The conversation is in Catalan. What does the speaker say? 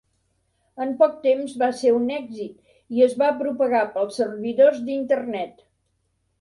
En poc temps va ser un èxit i es va propagar pels servidors d'Internet.